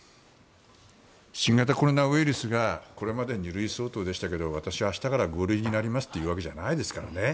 新型コロナウイルスがこれまで２類相当でしたけど私は明日から５類になりますと言うわけじゃないですからね。